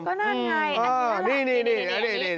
ก็นั่นไงอันนี้แหละ